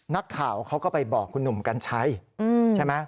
นักข่าวเขาก็ไปบอกคุณหนุ่มกัญชัยใช่ไหม